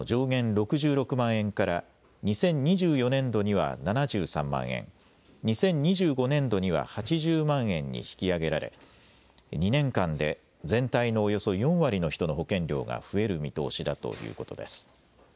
６６万円から２０２４年度には７３万円、２０２５年度には８０万円に引き上げられ２年間で全体のおよそ４割の人の保険料が増える見通しだということです。